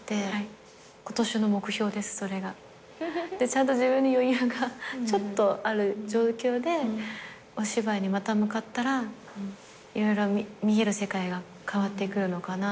ちゃんと自分に余裕がちょっとある状況でお芝居にまた向かったら色々見える世界が変わってくるのかなって。